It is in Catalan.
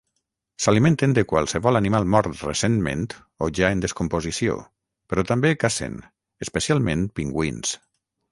S'alimenten de qualsevol animal mort recentment o ja en descomposició, però també cacen, especialment pingüins.